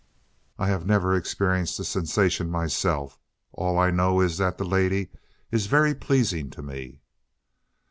"I have never experienced the sensation myself. All I know is that the lady is very pleasing to me."